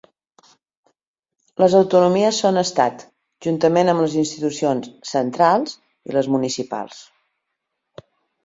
Les autonomies són estat, juntament amb les institucions ‘centrals’ i les municipals.